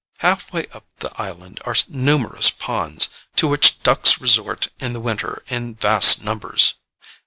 Halfway up the island are numerous ponds, to which ducks resort in the winter in vast numbers.